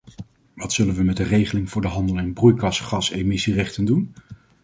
Wat zullen we met de regeling voor de handel in broeikasgasemissierechten doen?